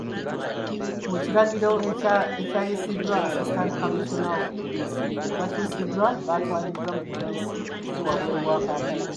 Mu kiragiro ekyayisiddwa Assistant Commissioner of Police, abakyusiddwa batwaliddwa mu Poliisi eziri wabweru wa Kampala.